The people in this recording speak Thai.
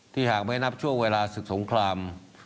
หากไม่นับช่วงเวลาศึกสงคราม